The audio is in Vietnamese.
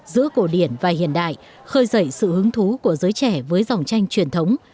giữa cổ điển và hiện đại khơi dậy sự hứng thú của giới trẻ với dòng tranh truyền thống